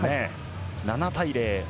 ７対０。